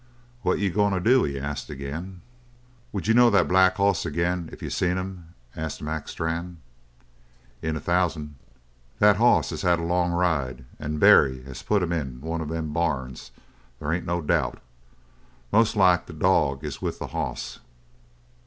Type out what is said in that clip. "What you goin' to do?" he asked again. "Would you know that black hoss agin if you seen him?" asked Mac Strann. "In a thousand." "That hoss has had a long ride; and Barry has put him in one of them barns, they ain't no doubt. Most like, the dog is with the hoss."